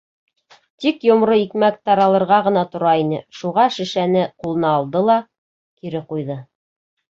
Тик йомро икмәк таралырға ғына тора ине, шуға шешәне ҡулына алды ла... кире ҡуйҙы.